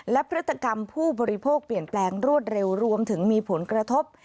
และพฤติกรรมผู้บริโภคเปลี่ยนแปลงรวดเร็วรวมถึงมีผลกระทบ